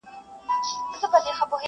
o له کلي و تښته، له نرخه ئې نه!